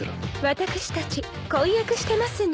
私たち婚約してますの。